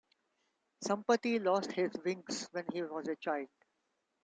Sampati lost his wings when he was a child.